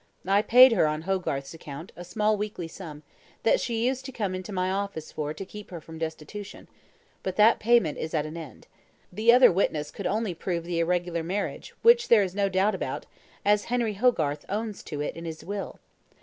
I paid her, on Hogarth's account, a small weekly sum, that she used to come to my office for to keep her from destitution, but that payment is at an end. The other witness could only prove the irregular marriage, which there is no doubt about, as Henry Hogarth owns to it in his will.